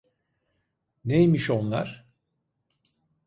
Neymiş onlar?